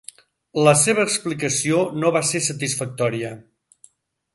La seva explicació no va ser satisfactòria.